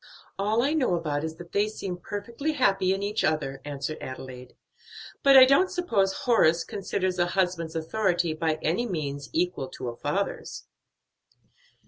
"All I know about it is that they seem perfectly happy in each other," answered Adelaide; "but I don't suppose Horace considers a husband's authority by any means equal to a father's."